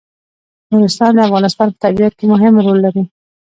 نورستان د افغانستان په طبیعت کې مهم رول لري.